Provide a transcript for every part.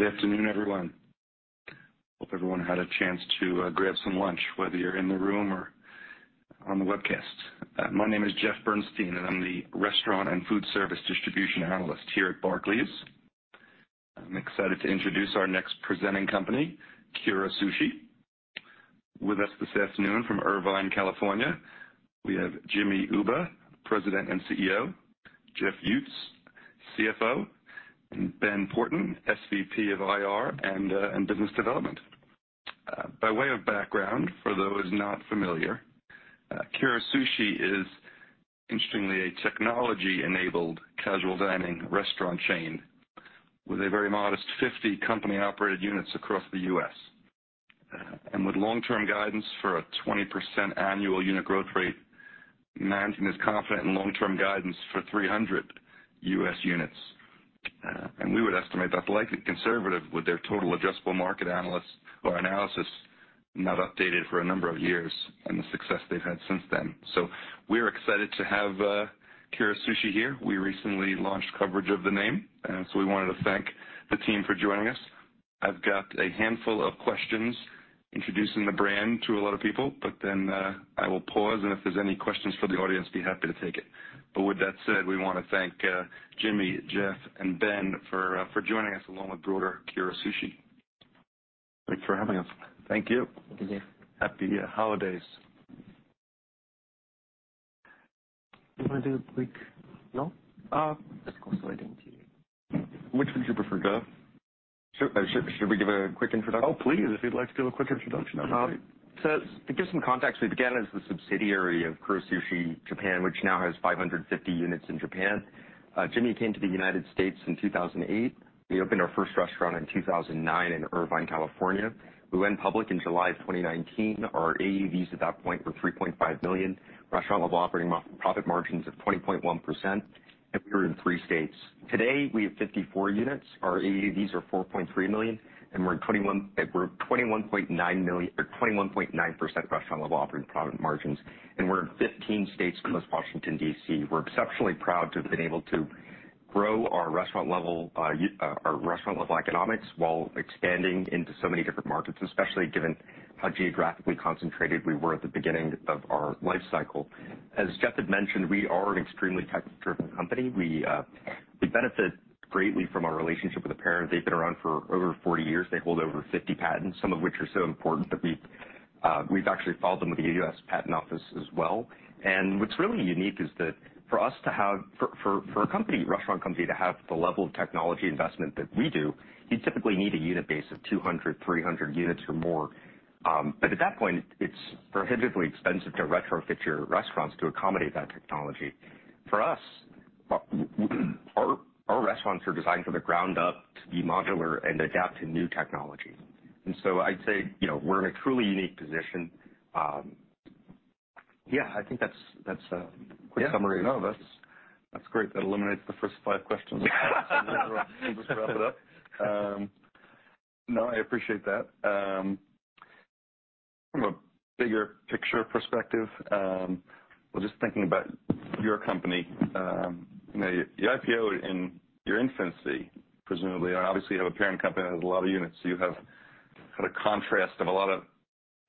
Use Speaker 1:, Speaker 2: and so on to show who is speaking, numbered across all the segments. Speaker 1: Good afternoon, everyone. Hope everyone had a chance to grab some lunch, whether you're in the room or on the webcast. My name is Jeff Bernstein, and I'm the restaurant and food service distribution analyst here at Barclays. I'm excited to introduce our next presenting company, Kura Sushi. With us this afternoon from Irvine, California, we have Jimmy Uba, President and CEO, Jeff Uttz, CFO, and Ben Porten, SVP of IR and business development. By way of background, for those not familiar, Kura Sushi is interestingly a technology-enabled casual dining restaurant chain with a very modest 50 company-operated units across the U.S. And with long-term guidance for a 20% annual unit growth rate, management is confident in long-term guidance for 300 U.S. units. We would estimate that's likely conservative with their total addressable market analysts or analysis not updated for a number of years and the success they've had since then. So we're excited to have Kura Sushi here. We recently launched coverage of the name, and so we wanted to thank the team for joining us. I've got a handful of questions introducing the brand to a lot of people, but then I will pause, and if there's any questions from the audience, be happy to take it. But with that said, we want to thank Jimmy, Jeff, and Ben for joining us, along with broader Kura Sushi.
Speaker 2: Thanks for having us.
Speaker 1: Thank you.
Speaker 3: Thank you, Jeff.
Speaker 1: Happy holidays.
Speaker 3: You want to do a quick... No? Just deferring to you.
Speaker 2: Which would you prefer, Jeff?
Speaker 1: Sure.
Speaker 2: Should we give a quick introduction?
Speaker 1: Oh, please, if you'd like to give a quick introduction, that'd be great.
Speaker 2: So to give some context, we began as the subsidiary of Kura Sushi Japan, which now has 550 units in Japan. Jimmy came to the United States in 2008. We opened our first restaurant in 2009 in Irvine, California. We went public in July of 2019. Our AUVs at that point were $3.5 million. Restaurant-level operating profit margins of 20.1%, and we were in three states. Today, we have 54 units. Our AUVs are $4.3 million, and we're in 21 -- we're $21.9 million or 21.9% restaurant-level operating profit margins, and we're in 15 states plus Washington, D.C. We're exceptionally proud to have been able to grow our restaurant-level, our restaurant-level economics while expanding into so many different markets, especially given how geographically concentrated we were at the beginning of our life cycle. As Jeff had mentioned, we are an extremely tech-driven company. We, we benefit greatly from our relationship with the parent. They've been around for over 40 years. They hold over 50 patents, some of which are so important that we've, we've actually filed them with the U.S. Patent Office as well. And what's really unique is that for us to have... For a company, restaurant company, to have the level of technology investment that we do, you typically need a unit base of 200, 300 units or more. But at that point, it's prohibitively expensive to retrofit your restaurants to accommodate that technology. For us, our restaurants are designed from the ground up to be modular and adapt to new technology. And so I'd say, you know, we're in a truly unique position. Yeah, I think that's a quick summary of us.
Speaker 1: Yeah. No, that's great. That eliminates the first 5 questions. Just wrap it up. No, I appreciate that. From a bigger picture perspective, well, just thinking about your company, you know, you IPOed in your infancy, presumably, and obviously, you have a parent company that has a lot of units. You have had a contrast of a lot of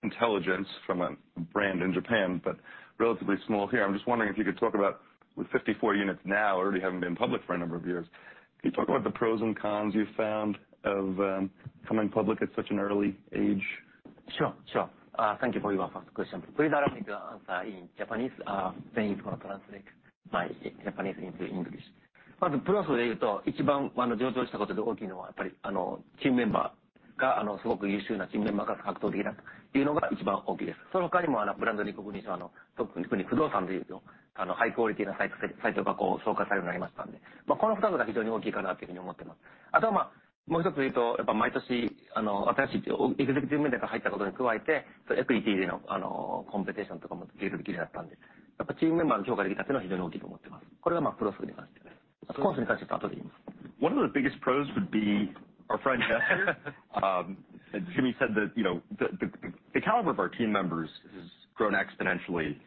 Speaker 1: intelligence from a brand in Japan, but relatively small here. I'm just wondering if you could talk about, with 54 units now, already having been public for a number of years, can you talk about the pros and cons you've found of coming public at such an early age?
Speaker 3: Sure. Sure. Thank you for your first question. Please allow me to answer in Japanese. Ben is gonna translate my Japanese into English.
Speaker 2: One of the biggest pros would be our recruiting efforts. As Jimmy said, that, you know, the caliber of our team members has grown exponentially.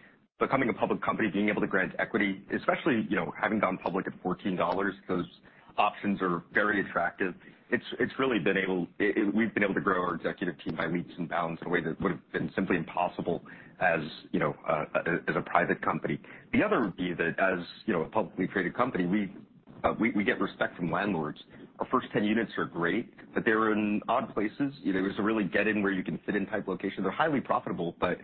Speaker 2: Becoming a public company, being able to grant equity, especially, you know, having gone public at $14, those options are very attractive. It's really been able to grow our executive team by leaps and bounds in a way that would have been simply impossible as, you know, as a private company. The other would be that as, you know, a publicly traded company, we get respect from landlords. Our first 10 units are great, but they're in odd places. You know, it's a really get in where you can fit in type location. They're highly profitable, but,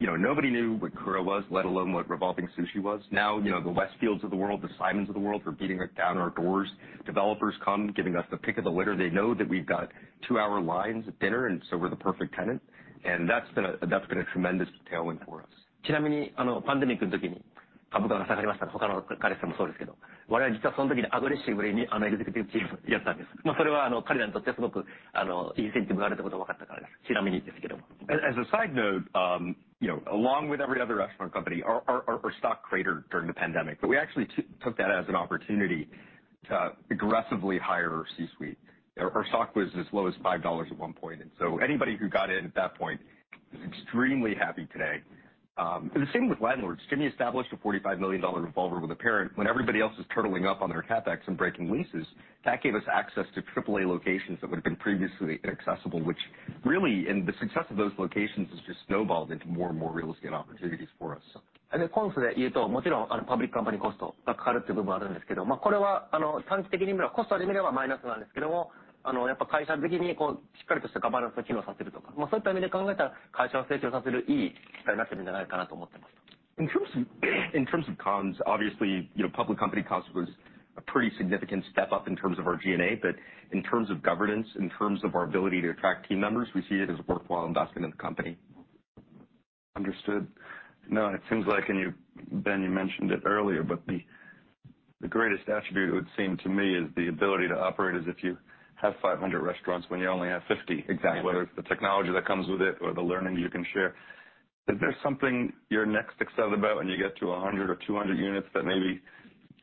Speaker 2: you know, nobody knew what Kura was, let alone what revolving sushi was. Now, you know, the Westfield of the world, the Simon of the world, were beating us down our doors. Developers come, giving us the pick of the litter. They know that we've got two-hour lines at dinner, and so we're the perfect tenant, and that's been a tremendous tailwind for us.
Speaker 3: As a side note, you know, along with every other restaurant company, our stock cratered during the pandemic, but we actually took that as an opportunity to aggressively hire our C-suite. Our stock was as low as $5 at one point, and so anybody who got in at that point is extremely happy today. ...
Speaker 2: And the same with landlords. Jimmy established a $45 million revolver with a parent when everybody else is turtling up on their CapEx and breaking leases. That gave us access to triple A locations that would have been previously inaccessible, which really, and the success of those locations has just snowballed into more and more real estate opportunities for us. And in terms of, in terms of cons, obviously, you know, public company cost was a pretty significant step up in terms of our G&A, but in terms of governance, in terms of our ability to attract team members, we see it as a worthwhile investment in the company.
Speaker 1: Understood. Now, it seems like, and you, Ben, you mentioned it earlier, but the greatest attribute, it would seem to me, is the ability to operate as if you have 500 restaurants when you only have 50.
Speaker 2: Exactly.
Speaker 1: Whether it's the technology that comes with it or the learning you can share. Is there something you're next excited about when you get to 100 or 200 units that maybe,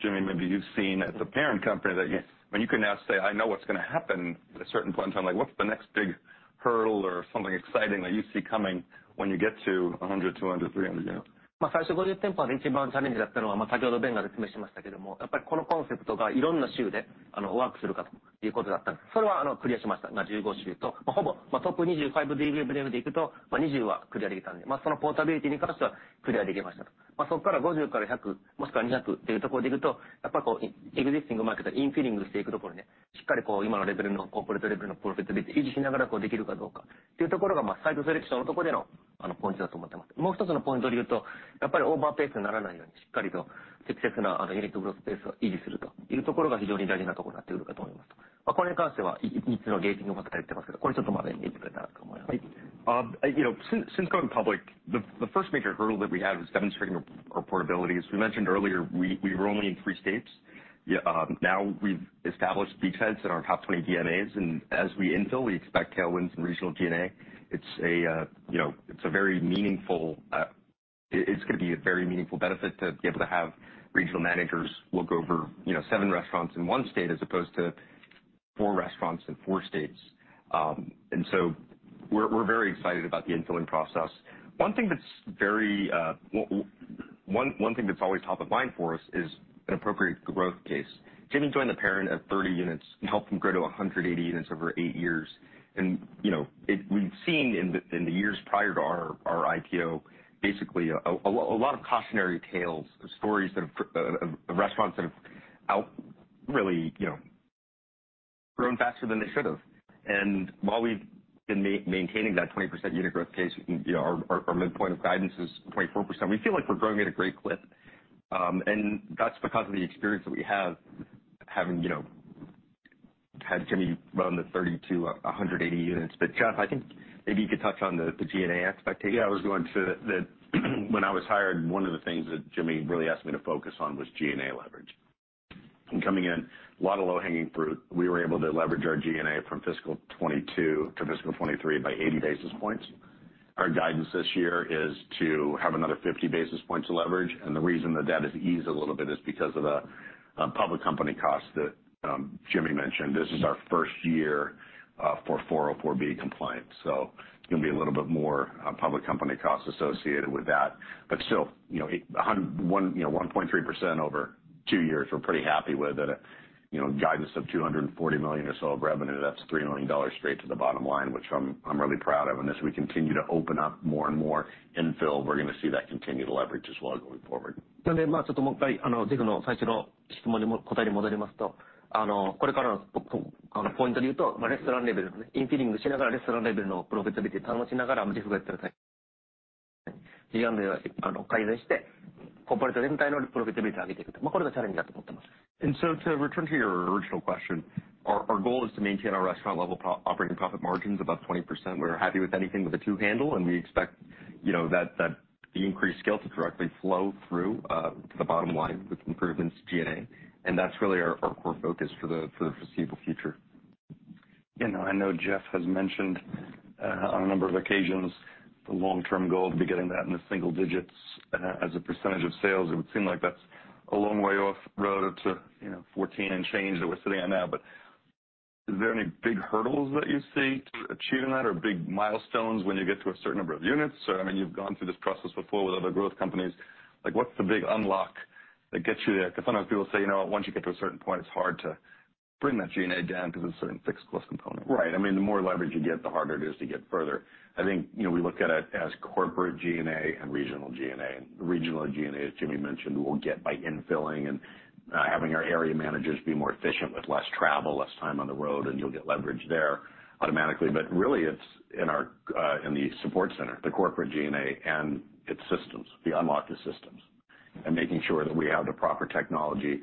Speaker 1: Jimmy, maybe you've seen as a parent company, that you, when you can now say, "I know what's gonna happen at a certain point in time." Like, what's the next big hurdle or something exciting that you see coming when you get to 100, 200, 300 units?
Speaker 2: Well, you know, since going public, the first major hurdle that we had was demonstrating our portability. As we mentioned earlier, we were only in 3 states. Now we've established beachheads in our top 20 DMAs, and as we infill, we expect tailwinds in regional G&A. It's a, you know, it's a very meaningful. It's gonna be a very meaningful benefit to be able to have regional managers look over, you know, 7 restaurants in one state as opposed to 4 restaurants in 4 states. And so we're very excited about the infilling process. One thing that's very, one thing that's always top of mind for us is an appropriate growth case. Jimmy joined the parent at 30 units and helped them grow to 180 units over 8 years. And, you know, we've seen in the years prior to our IPO, basically a lot of cautionary tales, stories that have restaurants that have outgrown really, you know, faster than they should have. And while we've been maintaining that 20% unit growth case, you know, our midpoint of guidance is 24%. We feel like we're growing at a great clip, and that's because of the experience that we have, having, you know, had Jimmy run the 30 to 180 units. But, Jeff, I think maybe you could touch on the G&A expectation.
Speaker 4: Yeah, I was going to say that when I was hired, one of the things that Jimmy really asked me to focus on was G&A leverage. And coming in, a lot of low-hanging fruit, we were able to leverage our G&A from fiscal 2022 to fiscal 2023 by 80 basis points. Our guidance this year is to have another 50 basis points of leverage, and the reason that that is eased a little bit is because of the public company costs that Jimmy mentioned. This is our first year for 404(b) compliance, so it's gonna be a little bit more public company costs associated with that. But still, you know, 1.3% over two years, we're pretty happy with it. You know, guidance of $240 million or so of revenue, that's $3 million straight to the bottom line, which I'm, I'm really proud of. And as we continue to open up more and more infill, we're gonna see that continued leverage as well going forward.
Speaker 2: To return to your original question, our goal is to maintain our restaurant-level operating profit margins above 20%. We're happy with anything with a two handle, and we expect, you know, that the increased scale to directly flow through to the bottom line with improvements to G&A, and that's really our core focus for the foreseeable future.
Speaker 1: You know, I know Jeff has mentioned on a number of occasions the long-term goal would be getting that into single digits as a percentage of sales. It would seem like that's a long way off from, you know, 14 and change that we're sitting on now. But is there any big hurdles that you see to achieving that or big milestones when you get to a certain number of units? I mean, you've gone through this process before with other growth companies. Like, what's the big unlock that gets you there? Because sometimes people say, "You know what, once you get to a certain point, it's hard to bring that G&A down because it's a certain fixed cost component.
Speaker 4: Right. I mean, the more leverage you get, the harder it is to get further. I think, you know, we look at it as corporate G&A and regional G&A. Regional G&A, as Jimmy mentioned, we'll get by infilling and having our area managers be more efficient with less travel, less time on the road, and you'll get leverage there automatically. But really, it's in our in the support center, the corporate G&A and its systems, the unlock the systems, and making sure that we have the proper technology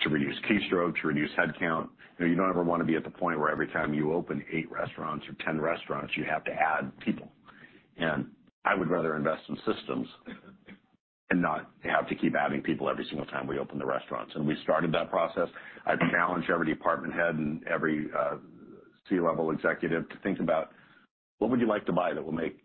Speaker 4: to reduce keystrokes, to reduce headcount. You know, you don't ever want to be at the point where every time you open 8 restaurants or 10 restaurants, you have to add people. And I would rather invest in systems and not have to keep adding people every single time we open the restaurants. And we started that process. I challenged every department head and every C-level executive to think about: What would you like to buy that will make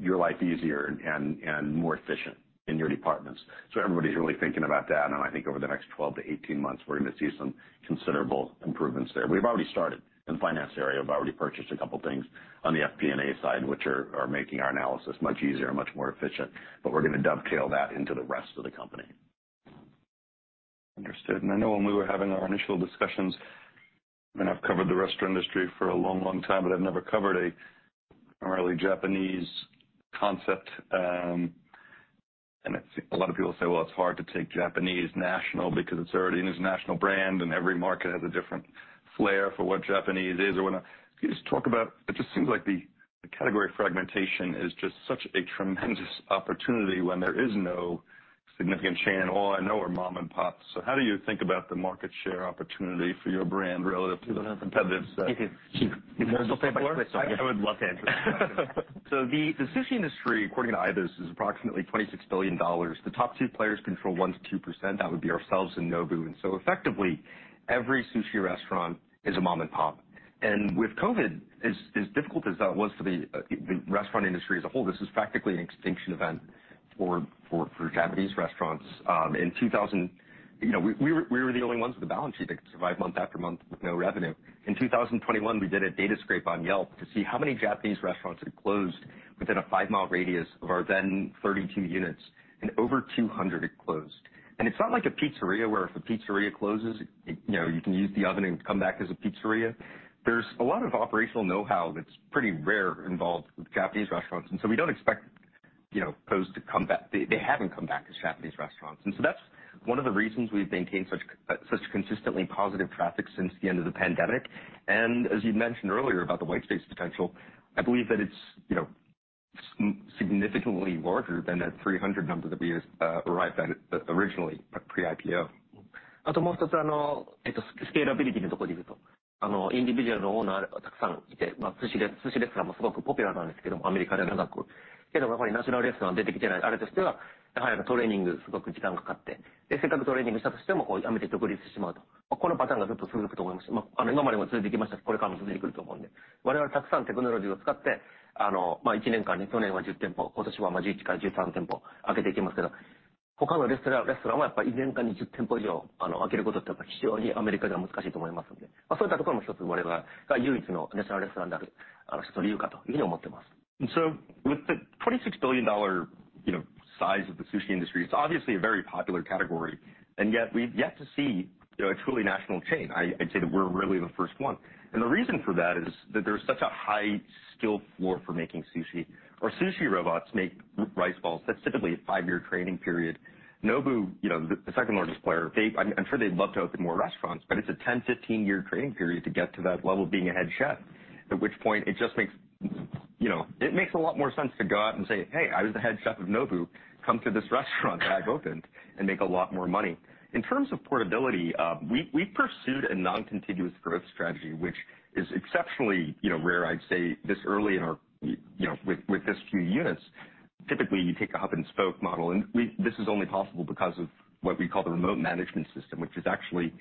Speaker 4: your life easier and more efficient in your departments? So everybody's really thinking about that, and I think over the next 12-18 months, we're going to see some considerable improvements there. We've already started. In the finance area, we've already purchased a couple things on the FP&A side, which are making our analysis much easier and much more efficient, but we're gonna dovetail that into the rest of the company....
Speaker 1: Understood. I know when we were having our initial discussions, and I've covered the restaurant industry for a long, long time, but I've never covered a primarily Japanese concept. And it's a lot of people say, well, it's hard to take Japanese national because it's already a national brand, and every market has a different flair for what Japanese is or whatnot. Can you just talk about it? It just seems like the category fragmentation is just such a tremendous opportunity when there is no significant chain at all. I know there are mom and pops. So how do you think about the market share opportunity for your brand relative to the competitors?
Speaker 2: Thank you. I would love to answer that. So the sushi industry, according to IBIS, is approximately $26 billion. The top two players control 1%-2%. That would be ourselves and Nobu. And so effectively, every sushi restaurant is a mom-and-pop. And with COVID, as difficult as that was for the restaurant industry as a whole, this was practically an extinction event for Japanese restaurants. You know, we were the only ones with a balance sheet that could survive month after month with no revenue. In 2021, we did a data scrape on Yelp to see how many Japanese restaurants had closed within a 5-mile radius of our then 32 units, and over 200 had closed. It's not like a pizzeria, where if a pizzeria closes, you know, you can use the oven and come back as a pizzeria. There's a lot of operational know-how that's pretty rare involved with Japanese restaurants, and so we don't expect, you know, those to come back. They, they haven't come back as Japanese restaurants. And so that's one of the reasons we've maintained such such consistently positive traffic since the end of the pandemic. And as you mentioned earlier about the white space potential, I believe that it's, you know, significantly larger than that 300 number that we arrived at originally, pre-IPO. And so with the $26 billion, you know, size of the sushi industry, it's obviously a very popular category, and yet we've yet to see, you know, a truly national chain. I, I'd say that we're really the first one. The reason for that is that there's such a high skill floor for making sushi. Our sushi robots make rice balls. That's typically a 5-year training period. Nobu, you know, the second largest player, they... I'm sure they'd love to open more restaurants, but it's a 10-15-year training period to get to that level of being a head chef. At which point it just makes, you know, it makes a lot more sense to go out and say, "Hey, I was the head chef of Nobu. Come to this restaurant that I opened," and make a lot more money. In terms of portability, we, we pursued a non-contiguous growth strategy, which is exceptionally, you know, rare, I'd say, this early in our, you know, with, with this few units. Typically, you take a hub-and-spoke model, and we - this is only possible because of what we call the remote management system, which is actually,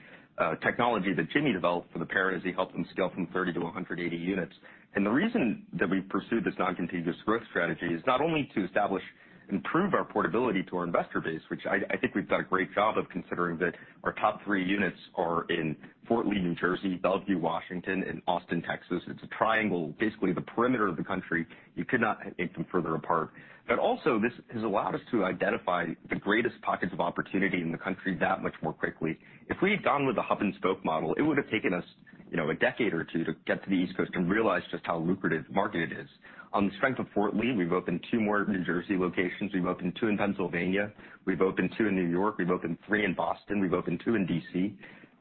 Speaker 2: technology that Jimmy developed for the parent as he helped them scale from 30 to 180 units. The reason that we pursued this non-contiguous growth strategy is not only to establish, improve our portability to our investor base, which I, I think we've done a great job of, considering that our top three units are in Fort Lee, New Jersey, Bellevue, Washington, and Austin, Texas. It's a triangle, basically the perimeter of the country. You could not get them further apart. But also, this has allowed us to identify the greatest pockets of opportunity in the country that much more quickly. If we had gone with a hub-and-spoke model, it would have taken us, you know, a decade or two to get to the East Coast and realize just how lucrative the market is. On the strength of Fort Lee, we've opened 2 more New Jersey locations. We've opened 2 in Pennsylvania. We've opened 2 in New York. We've opened 3 in Boston. We've opened 2 in D.C.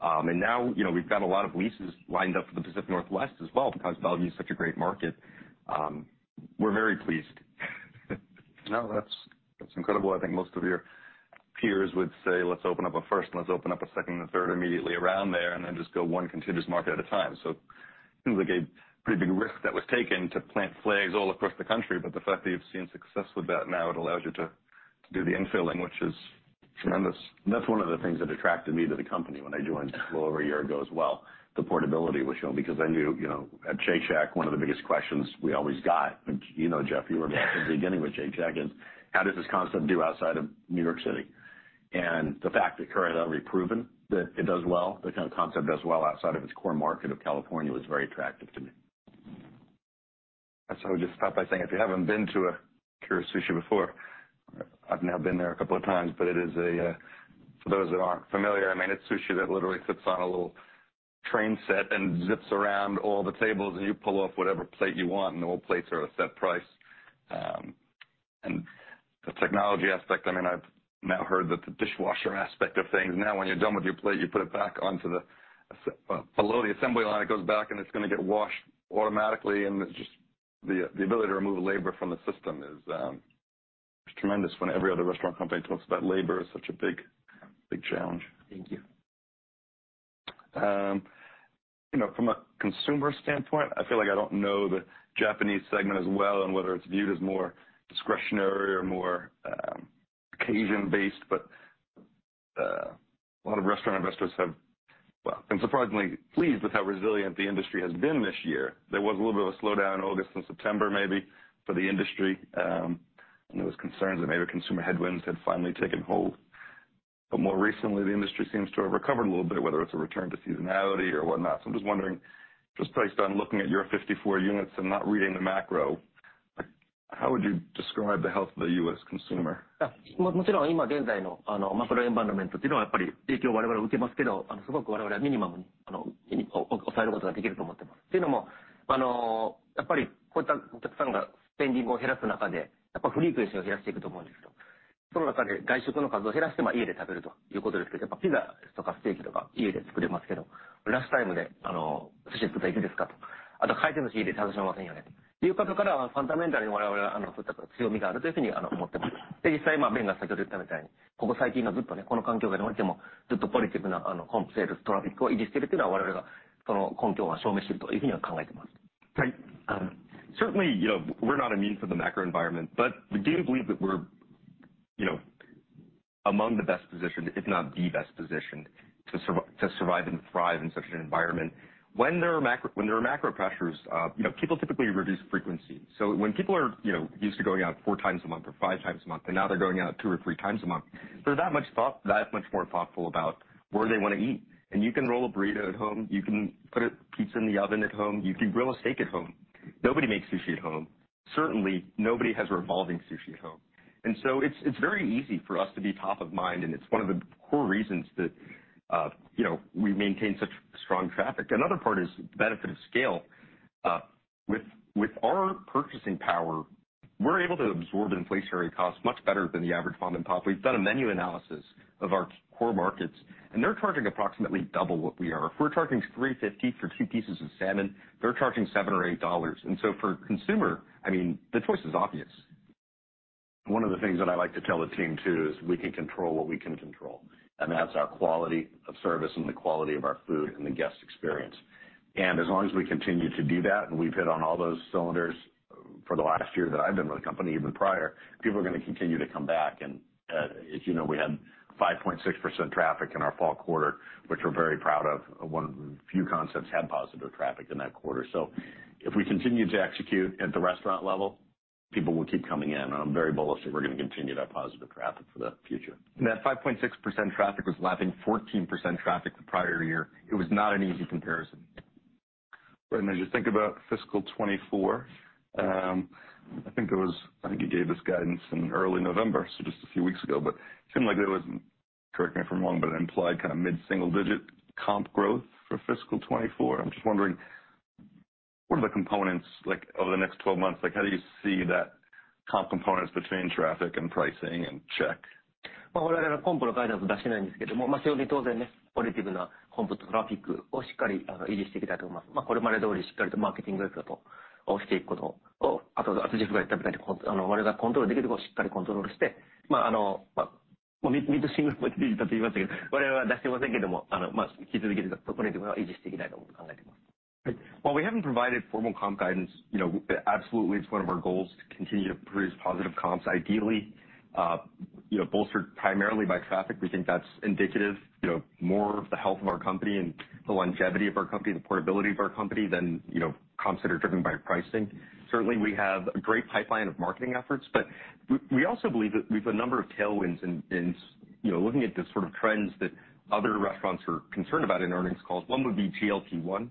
Speaker 2: And now, you know, we've got a lot of leases lined up for the Pacific Northwest as well, because Bellevue is such a great market. We're very pleased.
Speaker 1: No, that's, that's incredible. I think most of your peers would say, "Let's open up a first, let's open up a second and a third immediately around there, and then just go one contiguous market at a time." So it seems like a pretty big risk that was taken to plant flags all across the country, but the fact that you've seen success with that, now it allows you to do the infilling, which is tremendous.
Speaker 2: That's one of the things that attracted me to the company when I joined just little over a year ago as well. The portability was shown because I knew, you know, at Shake Shack, one of the biggest questions we always got, and you know, Jeff, you were there at the beginning with Shake Shack, is: How does this concept do outside of New York City? The fact that Kura has already proven that it does well, the kind of concept does well outside of its core market of California, was very attractive to me.
Speaker 1: I just thought by saying, if you haven't been to a Kura Sushi before, I've now been there a couple of times, but it is a, for those that aren't familiar, I mean, it's sushi that literally sits on a little train set and zips around all the tables, and you pull off whatever plate you want, and all plates are a set price. And the technology aspect, I mean, I've now heard that the dishwasher aspect of things, now, when you're done with your plate, you put it back onto the, below the assembly line, it goes back, and it's going to get washed automatically, and it's just the ability to remove the labor from the system is tremendous when every other restaurant company talks about labor is such a big, big challenge.
Speaker 2: Thank you.
Speaker 1: You know, from a consumer standpoint, I feel like I don't know the Japanese segment as well and whether it's viewed as more discretionary or more occasion-based, but a lot of restaurant investors have, well, been surprisingly pleased with how resilient the industry has been this year. There was a little bit of a slowdown in August and September, maybe, for the industry. And there was concerns that maybe consumer headwinds had finally taken hold. But more recently, the industry seems to have recovered a little bit, whether it's a return to seasonality or whatnot. So I'm just wondering, just based on looking at your 54 units and not reading the macro. ...
Speaker 2: How would you describe the health of the U.S. consumer? Certainly, you know, we're not immune from the macro environment, but we do believe that we're, you know, among the best positioned, if not the best positioned, to survive and thrive in such an environment. When there are macro pressures, you know, people typically reduce frequency. So when people are, you know, used to going out four times a month or five times a month, and now they're going out two or three times a month, they're that much more thoughtful about where they wanna eat. And you can roll a burrito at home, you can put a pizza in the oven at home, you can grill a steak at home. Nobody makes sushi at home. Certainly, nobody has revolving sushi at home. And so it's very easy for us to be top of mind, and it's one of the core reasons that, you know, we maintain such strong traffic. Another part is benefit of scale. With our purchasing power, we're able to absorb inflationary costs much better than the average mom-and-pop. We've done a menu analysis of our core markets, and they're charging approximately double what we are. If we're charging $3.50 for two pieces of salmon, they're charging $7-$8. And so for consumer, I mean, the choice is obvious.
Speaker 4: One of the things that I like to tell the team, too, is we can control what we can control, and that's our quality of service and the quality of our food and the guest experience. And as long as we continue to do that, and we've hit on all those cylinders for the last year that I've been with the company, even prior, people are gonna continue to come back. And, as you know, we had 5.6% traffic in our fall quarter, which we're very proud of. One of the few concepts had positive traffic in that quarter. So if we continue to execute at the restaurant level, people will keep coming in. I'm very bullish that we're gonna continue that positive traffic for the future.
Speaker 2: That 5.6% traffic was lapping 14% traffic the prior year. It was not an easy comparison. Right. And as you think about fiscal 2024, I think it was—I think you gave this guidance in early November, so just a few weeks ago, but it seemed like there was, correct me if I'm wrong, but an implied kind of mid-single-digit comp growth for fiscal 2024. I'm just wondering, what are the components like over the next twelve months? Like, how do you see that comp components between traffic and pricing and check? While we haven't provided formal comp guidance, you know, absolutely, it's one of our goals to continue to produce positive comps, ideally, you know, bolstered primarily by traffic. We think that's indicative, you know, more of the health of our company and the longevity of our company, the portability of our company than, you know, comps that are driven by pricing. Certainly, we have a great pipeline of marketing efforts, but we also believe that we've a number of tailwinds in, you know, looking at the sort of trends that other restaurants are concerned about in earnings calls, one would be GLP-1.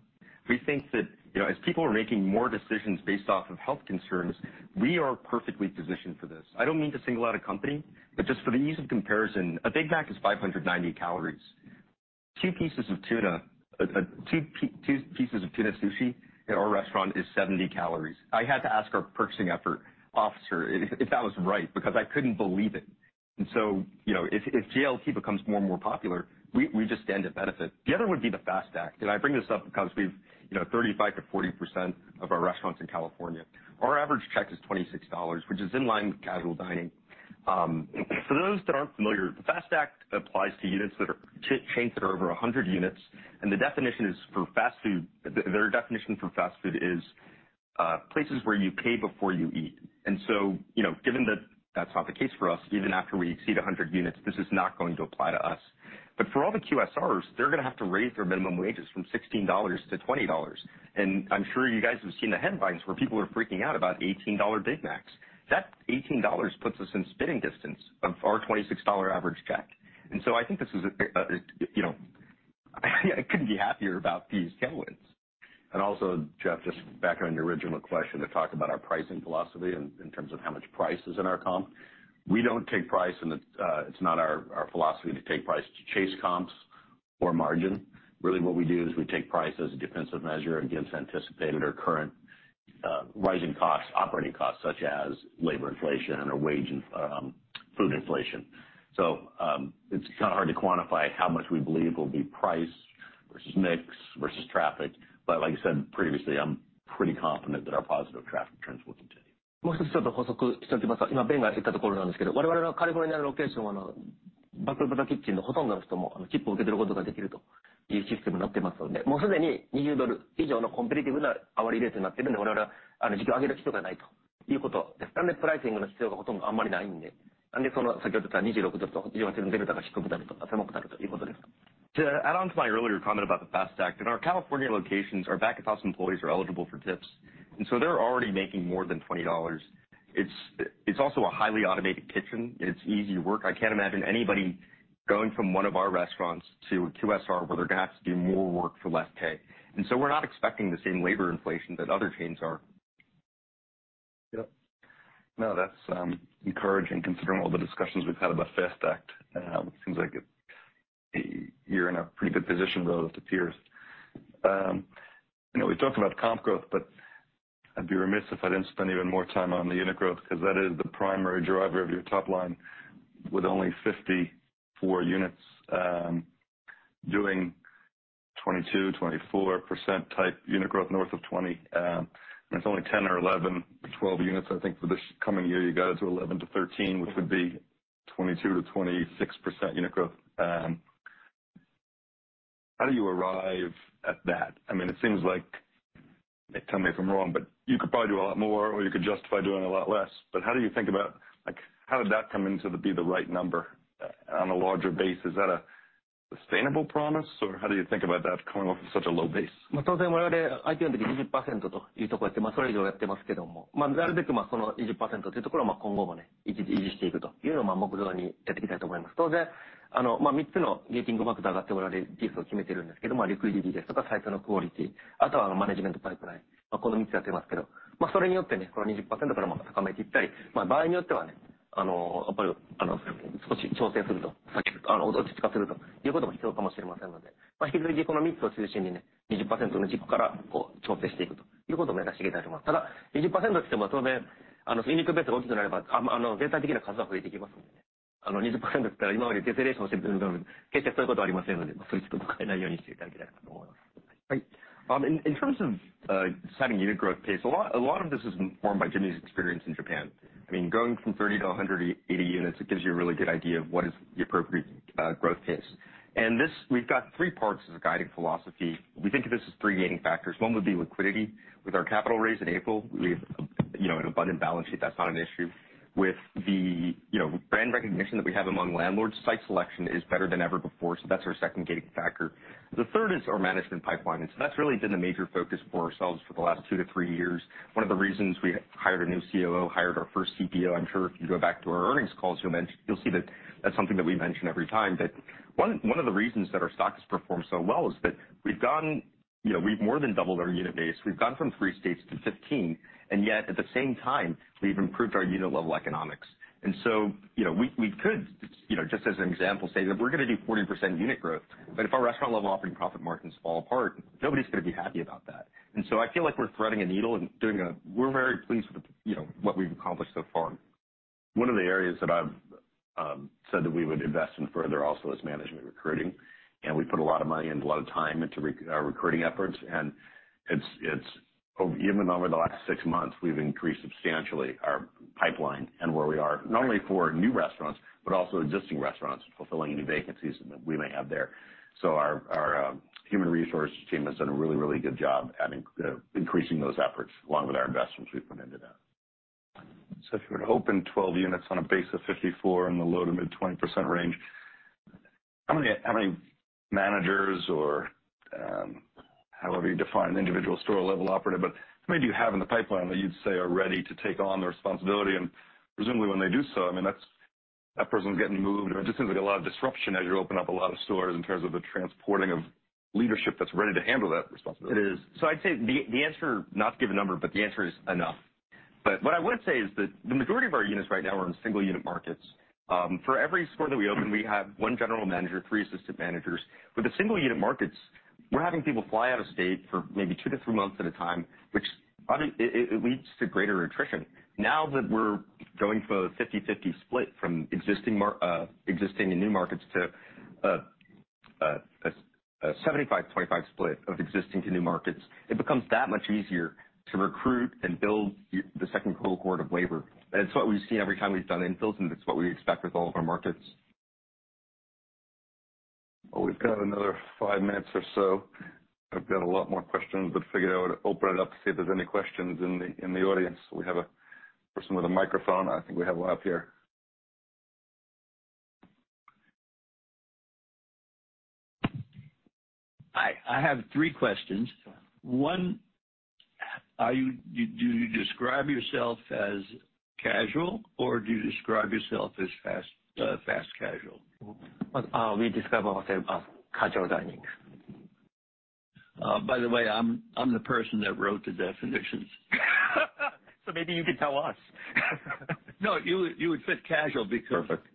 Speaker 2: We think that, you know, as people are making more decisions based off of health concerns, we are perfectly positioned for this. I don't mean to single out a company, but just for the ease of comparison, a Big Mac is 590 calories. Two pieces of tuna sushi at our restaurant is 70 calories. I had to ask our purchasing officer if that was right, because I couldn't believe it. And so, you know, if GLP-1 becomes more and more popular, we just stand to benefit. The other would be the FAST Act, and I bring this up because we've, you know, 35%-40% of our restaurants in California. Our average check is $26, which is in line with casual dining. For those that aren't familiar, the FAST Act applies to units that are chains that are over 100 units, and the definition is for fast food. Their definition for fast food is places where you pay before you eat. And so, you know, given that that's not the case for us, even after we exceed 100 units, this is not going to apply to us. But for all the QSRs, they're gonna have to raise their minimum wages from $16 to $20. And I'm sure you guys have seen the headlines where people are freaking out about $18 Big Macs. That $18 puts us in spitting distance of our $26 average check. And so I think this is, you know, I couldn't be happier about these tailwinds.
Speaker 4: And also, Jeff, just back on your original question, to talk about our pricing philosophy in terms of how much price is in our comp. We don't take price, and it's not our philosophy to take price to chase comps or margin. Really, what we do is we take price as a defensive measure against anticipated or current rising costs, operating costs, such as labor inflation or wage and food inflation. So, it's kind of hard to quantify how much we believe will be price versus mix, versus traffic. But like I said previously, I'm pretty confident that our positive traffic trends will continue.
Speaker 2: To add on to my earlier comment about the FAST Act, in our California locations, our back-of-house employees are eligible for tips, and so they're already making more than $20. It's, it's also a highly automated kitchen, and it's easy to work. I can't imagine anybody-...
Speaker 4: going from one of our restaurants to a QSR, where they're gonna have to do more work for less pay. And so we're not expecting the same labor inflation that other chains are.
Speaker 1: Yep. No, that's encouraging, considering all the discussions we've had about FAST Act. It seems like you're in a pretty good position relative to peers. You know, we talked about comp growth, but I'd be remiss if I didn't spend even more time on the unit growth, 'cause that is the primary driver of your top line, with only 54 units, doing 22-24% type unit growth north of 20. And it's only 10 or 11, 12 units, I think, for this coming year, you guys are 11 to 13, which would be 22%-26% unit growth. How do you arrive at that? I mean, it seems like, tell me if I'm wrong, but you could probably do a lot more, or you could justify doing a lot less. But how do you think about, like, how did that come to be the right number on a larger base? Is that a sustainable promise, or how do you think about that coming off such a low base?
Speaker 2: Well, in, in terms of setting unit growth pace, a lot, a lot of this is informed by Jimmy's experience in Japan. I mean, going from 30 to 180 units, it gives you a really good idea of what is the appropriate growth pace. And this, we've got three parts as a guiding philosophy. We think of this as three gating factors. One would be liquidity. With our capital raise in April, we've, you know, an abundant balance sheet, that's not an issue. With the, you know, brand recognition that we have among landlords, site selection is better than ever before, so that's our second gating factor. The third is our management pipeline, and so that's really been the major focus for ourselves for the last two to three years. One of the reasons we hired a new COO, hired our first CPO. I'm sure if you go back to our earnings calls, you'll see that that's something that we mention every time, that one of the reasons that our stock has performed so well is that we've gone, you know, we've more than doubled our unit base. We've gone from 3 states to 15, and yet at the same time, we've improved our unit level economics. And so, you know, we could, you know, just as an example, say that we're gonna do 40% unit growth, but if our restaurant level operating profit margins fall apart, nobody's gonna be happy about that. And so I feel like we're threading a needle and doing a—we're very pleased with, you know, what we've accomplished so far.
Speaker 4: One of the areas that I've said that we would invest in further also is management recruiting, and we put a lot of money and a lot of time into our recruiting efforts, and it's even over the last six months, we've increased substantially our pipeline and where we are, not only for new restaurants, but also existing restaurants, fulfilling any vacancies that we may have there. So our human resource team has done a really, really good job at increasing those efforts, along with our investments we've put into that.
Speaker 1: So if you were to open 12 units on a base of 54 in the low-to-mid 20% range, how many, how many managers or, however you define an individual store level operative, but how many do you have in the pipeline that you'd say are ready to take on the responsibility? And presumably when they do so, I mean, that's, that person's getting moved, or it just seems like a lot of disruption as you open up a lot of stores in terms of the transporting of leadership that's ready to handle that responsibility.
Speaker 2: It is. So I'd say the answer, not to give a number, but the answer is enough. But what I would say is that the majority of our units right now are in single unit markets. For every store that we open, we have one general manager, three assistant managers. With the single unit markets, we're having people fly out of state for maybe 2-3 months at a time, which obviously leads to greater attrition. Now that we're going from a 50/50 split from existing and new markets to a 75/25 split of existing to new markets, it becomes that much easier to recruit and build the second cohort of labor. That's what we've seen every time we've done infills, and that's what we expect with all of our markets.
Speaker 1: Well, we've got another five minutes or so. I've got a lot more questions, but figured I would open it up to see if there's any questions in the, in the audience. We have a person with a microphone. I think we have one up here.
Speaker 5: Hi. I have three questions. One, are you—do you describe yourself as casual, or do you describe yourself as fast casual?
Speaker 2: We describe ourselves as casual dining.
Speaker 5: By the way, I'm the person that wrote the definitions.
Speaker 4: Maybe you could tell us.
Speaker 5: No, you would, you would fit casual, because-
Speaker 4: Perfect.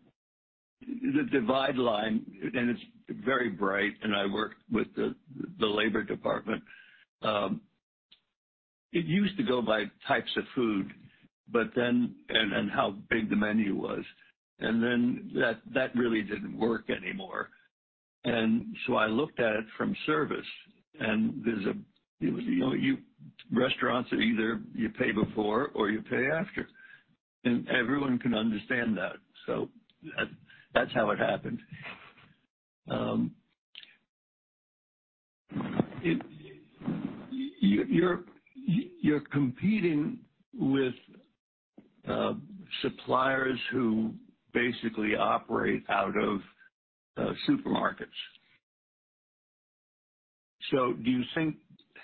Speaker 5: The dividing line, and it's very bright, and I worked with the labor department. It used to go by types of food, but then and how big the menu was, and then that really didn't work anymore. So I looked at it from service, and there's a, you know, restaurants are either you pay before or you pay after, and everyone can understand that. So that's how it happened. You're competing with suppliers who basically operate out of supermarkets. So do you think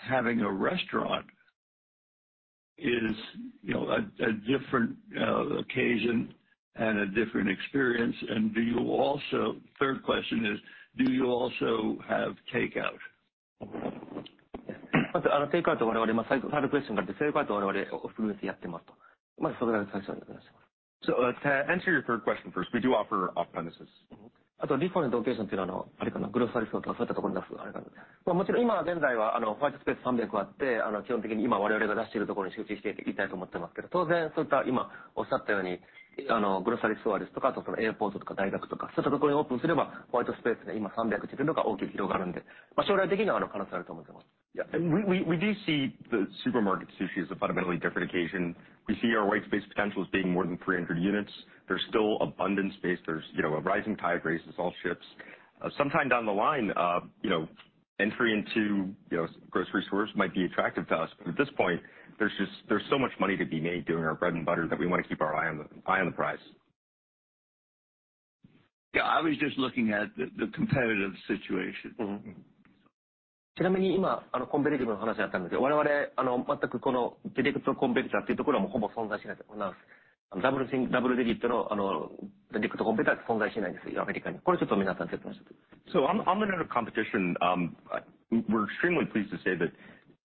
Speaker 5: having a restaurant is, you know, a different occasion and a different experience? And do you also, third question is, do you also have takeout?
Speaker 2: Takeout, third question, takeout. So, to answer your third question first, we do offer off-premises. Yeah. And we do see the supermarket sushi as a fundamentally different occasion. We see our white space potential as being more than 300 units. There's still abundant space. There's, you know, a rising tide raises all ships. Sometime down the line, you know, entry into, you know, grocery stores might be attractive to us, but at this point, there's just, there's so much money to be made doing our bread and butter that we wanna keep our eye on the, eye on the prize.
Speaker 5: Yeah, I was just looking at the competitive situation.
Speaker 2: Mm-hmm. So on the note of competition, we're extremely pleased to say that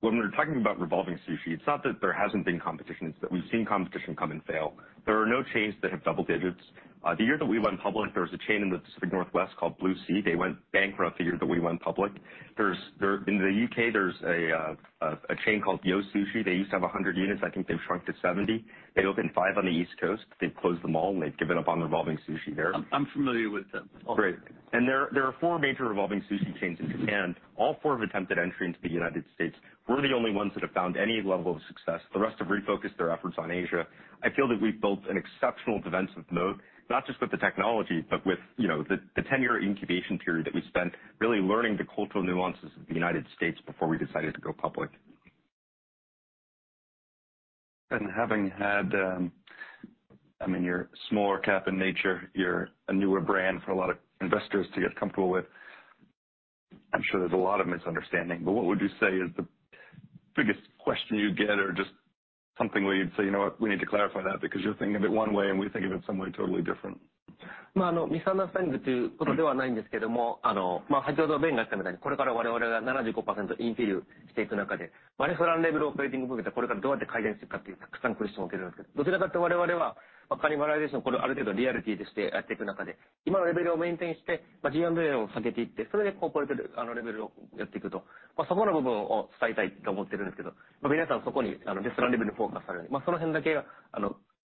Speaker 2: when we're talking about revolving sushi, it's not that there hasn't been competition, it's that we've seen competition come and fail. There are no chains that have double digits. The year that we went public, there was a chain in the Pacific Northwest called Blue C. They went bankrupt the year that we went public. In the U.K., there's a chain called Yo! Sushi. They used to have 100 units. I think they've shrunk to 70. They opened 5 on the East Coast. They've closed them all, and they've given up on revolving sushi there.
Speaker 5: I'm familiar with them.
Speaker 2: Great. And there are four major revolving sushi chains in Japan. All four have attempted entry into the United States. We're the only ones that have found any level of success. The rest have refocused their efforts on Asia. I feel that we've built an exceptional defensive moat, not just with the technology, but with you know the ten-year incubation period that we spent really learning the cultural nuances of the United States before we decided to go public.
Speaker 1: Having had, I mean, you're smaller cap in nature, you're a newer brand for a lot of investors to get comfortable with. I'm sure there's a lot of misunderstanding, but what would you say is the biggest question you get or just something where you'd say, "You know what? We need to clarify that, because you're thinking of it one way, and we think of it some way totally different.
Speaker 2: Well, misunderstanding.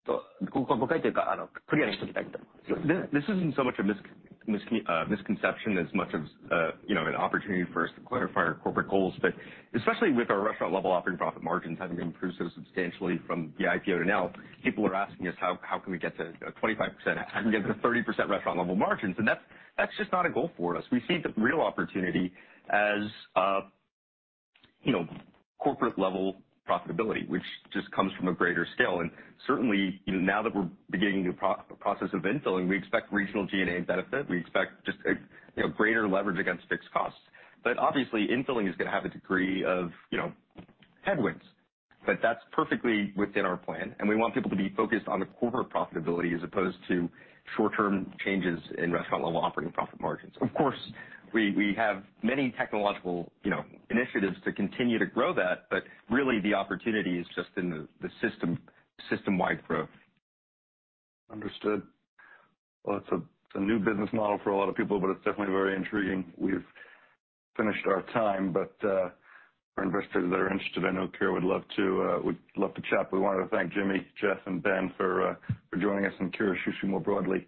Speaker 2: This isn't so much a misconception as much as, you know, an opportunity for us to clarify our corporate goals. But especially with our restaurant-level operating profit margins having improved so substantially from the IPO to now, people are asking us, "How can we get to 25%? How can we get to 30% restaurant-level margins?" And that's just not a goal for us. We see the real opportunity as, you know, corporate-level profitability, which just comes from a greater scale. And certainly, you know, now that we're beginning the process of infilling, we expect regional G&A benefit. We expect just a, you know, greater leverage against fixed costs. But obviously, infilling is gonna have a degree of, you know, headwinds, but that's perfectly within our plan, and we want people to be focused on the corporate profitability as opposed to short-term changes in restaurant-level operating profit margins. Of course, we have many technological, you know, initiatives to continue to grow that, but really, the opportunity is just in the system-wide growth.
Speaker 1: Understood. Well, it's a new business model for a lot of people, but it's definitely very intriguing. We've finished our time, but our investors that are interested, I know Kura would love to chat. We wanted to thank Jimmy, Jeff, and Ben for joining us and Kura Sushi more broadly.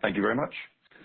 Speaker 1: Thank you very much.